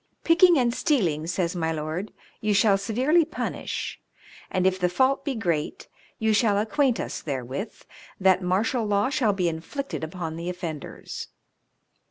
" Picking and stealing," says my Lord, *' you shall severely punish, and if the fault be great, you shall acquaint us therewith, that martial law shall be inflicted upon the offenders."